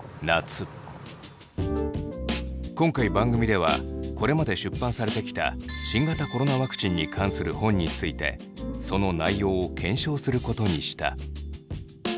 今回番組ではこれまで出版されてきた新型コロナワクチンに関する本についてその内容を検証することにした。